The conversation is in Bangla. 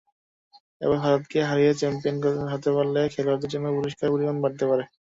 এবার ভারতকে হারিয়ে চ্যাম্পিয়ন হতে পারলে খেলোয়াড়দের জন্য পুরস্কারের পরিমাণ বাড়তে পারে।